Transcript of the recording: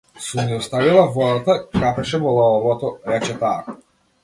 Сум ја оставила водата, капеше во лавабото, рече таа.